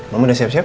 mama udah siap siap